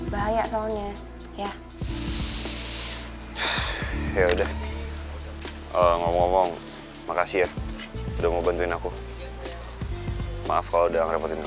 pak pak pak pak boynya kemana pak